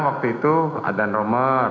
ajudannya waktu itu adan romer